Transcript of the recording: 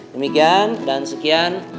demikian dan sekian